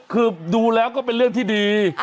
คือดูแล้วก็เป็นเรื่องที่ดี